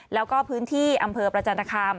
แล้วก็พื้นที่อำเภอประจันตคาม